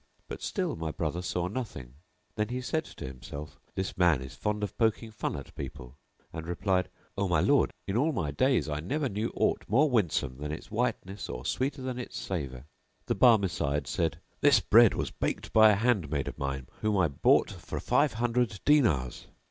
But still my brother saw nothing. Then said he to himself, "This man is fond of poking fun at people;" and replied, "O my lord, in all my days I never knew aught more winsome than its whiteness or sweeter than its savour." The Barmecide said, "This bread was baked by a hand maid of mine whom I bought for five hundred dinars."